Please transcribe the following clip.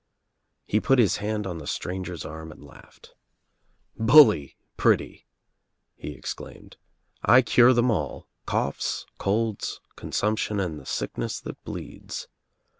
He put his hand on the stranger's arm and laughed. "Bully, pretty," he exclaimed. "I cure them all — coughs, colds, consumption and the sickness that bleeds.